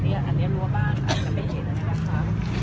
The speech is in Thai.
งี้อันนี้รั้วบ้านอาจจะเป็นเดี๋ยวนะคะ